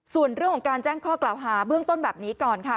ส่วนเรื่องของการแจ้งข้อกล่าวหาเบื้องต้นแบบนี้ก่อนค่ะ